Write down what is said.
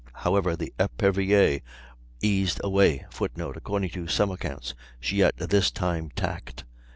However, the Epervier eased away [Footnote: According to some accounts she at this time tacked.